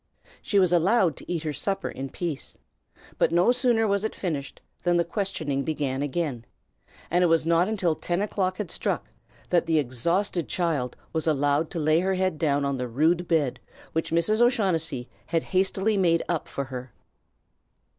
She was allowed to eat her supper in peace, but no sooner was it finished than the questioning began again, and it was not until ten o'clock had struck that the exhausted child was allowed to lay her head down on the rude bed which Mrs. O'Shaughnessy had hastily made up for her.